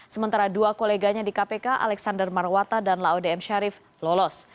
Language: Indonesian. sementara dua koleganya di kpk alexander marwata dan laode m syarif lolos